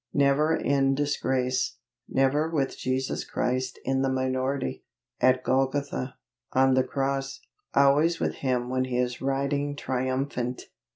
Never in disgrace; never with Jesus Christ in the minority, at Golgotha on the cross. Always with Him when He is riding triumphant!